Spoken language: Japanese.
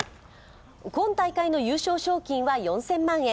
今大会の優勝賞金は４０００万円。